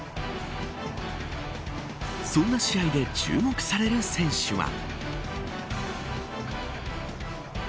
そんな試合で注目される選手は。